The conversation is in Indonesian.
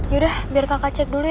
yaudah biar kakak cek dulu ya